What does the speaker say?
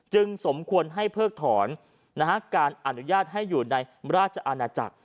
สมควรให้เพิกถอนการอนุญาตให้อยู่ในราชอาณาจักร